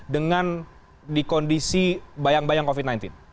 dengan dikondisi bayang bayang covid sembilan belas